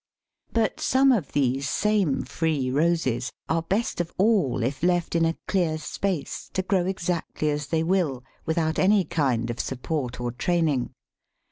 But some of these same free Roses are best of all if left in a clear space to grow exactly as they will without any kind of support or training.